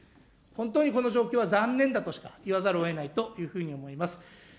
本当にこの状況は残念だとしか言わざるをえないと思います。